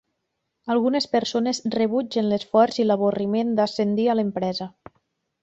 Algunes persones rebutgen l'esforç i l'avorriment d'ascendir a l'empresa.